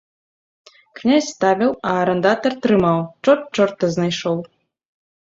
Князь ставіў, а арандатар трымаў, чорт чорта знайшоў.